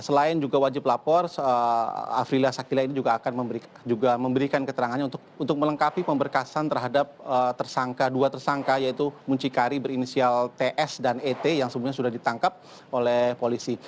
selain juga wajib lapor afrila sakila ini juga akan memberikan keterangannya untuk melengkapi pemberkasan terhadap tersangka dua tersangka yaitu muncikari berinisial ts dan et yang sebelumnya sudah ditangkap oleh polisi